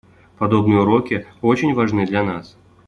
Подобные уроки очень важны для нас.